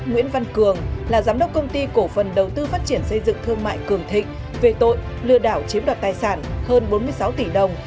nguyễn văn cường là giám đốc công ty cổ phần đầu tư phát triển xây dựng thương mại cường thịnh về tội lừa đảo chiếm đoạt tài sản hơn bốn mươi sáu tỷ đồng